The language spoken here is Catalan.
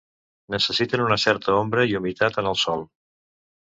Necessiten una certa ombra i humitat en el sòl.